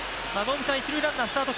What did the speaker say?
一塁ランナー、スタート